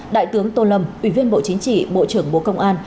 đại tướng tô lâm ủy viên bộ chính trị bộ trưởng bộ công an